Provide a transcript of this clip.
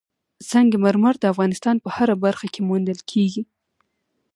سنگ مرمر د افغانستان په هره برخه کې موندل کېږي.